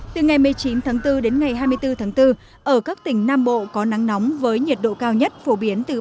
từ ngày một mươi chín tháng bốn đến ngày hai mươi bốn tháng bốn ở các tỉnh nam bộ có nắng nóng với nhiệt độ cao nhất phổ biến từ ba mươi